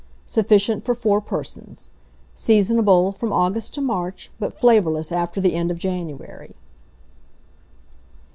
Sufficient for 4 persons. Seasonable from August to March, but flavourless after the end of January.